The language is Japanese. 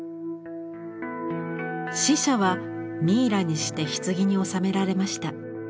死者はミイラにして棺に納められました。